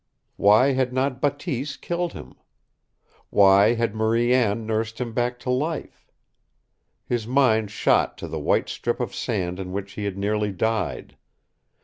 Why had not Bateese killed him? Why had Marie Anne nursed him back to life? His mind shot to the white strip of sand in which he had nearly died.